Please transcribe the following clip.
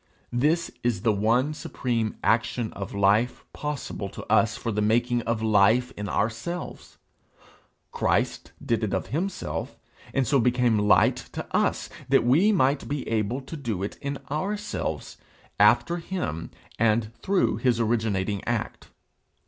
This is the one supreme action of life possible to us for the making of life in ourselves. Christ did it of himself, and so became light to us, that we might be able to do it in ourselves, after him, and through his originating act.